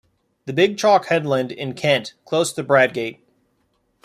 The big chalk headland in Kent, close to Bradgate.